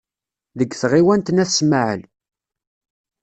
Deg tɣiwant n At Smaɛel.